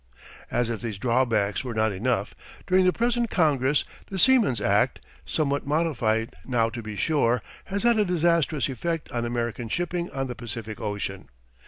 As if these drawbacks were not enough, during the present Congress the Seaman's Act, somewhat modified now to be sure, has had a disastrous effect on American shipping on the Pacific Ocean.